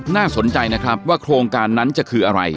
น่าสนใจนะครับว่าโครงการนั้นจะคืออะไร